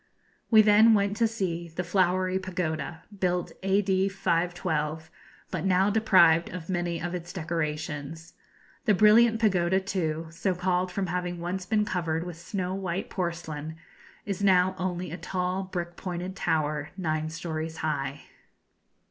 We then went to see the Flowery Pagoda, built A.D. 512, but now deprived of many of its decorations. The Brilliant Pagoda too, so called from having once been covered with snow white porcelain, is now only a tall brick pointed tower nine stories high.